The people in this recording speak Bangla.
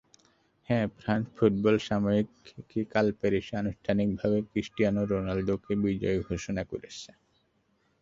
হ্যাঁ, ফ্রান্স ফুটবল সাময়িকী কাল প্যারিসে আনুষ্ঠানিকভাবে ক্রিস্টিয়ানো রোনালদোকেই বিজয়ী ঘোষণা করেছে।